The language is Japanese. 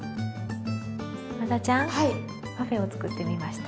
ワダちゃんパフェを作ってみました。